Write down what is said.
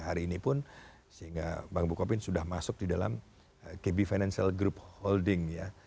hari ini pun sehingga bank bukopin sudah masuk di dalam kb financial group holding ya